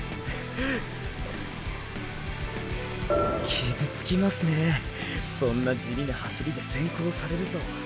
傷つきますねぇそんな地味な走りで先行されると。